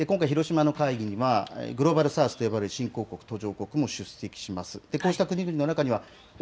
今回、広島の会議にはグローバル・サウスと呼ばれる新興国、途上国も出席します。